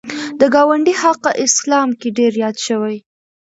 د ګاونډي حق اسلام کې ډېر یاد شوی